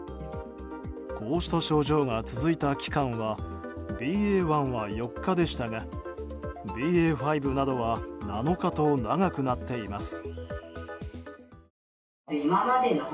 こうした症状が続いた期間はＢＡ．１は４日でしたがＢＡ．５などは７日と長くなっています。